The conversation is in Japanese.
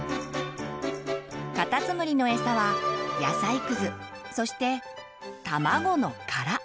カタツムリのエサは野菜くずそしてたまごの殻。